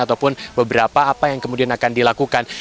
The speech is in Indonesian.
ataupun beberapa apa yang kemudian akan dilakukan